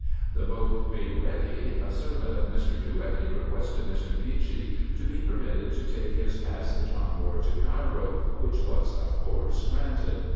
The boat being ready, a servant of Mr. Drouetti requested Mr. Beechey to be permitted to take his passage on board to Cairo, which was of course granted.